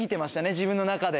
自分の中で。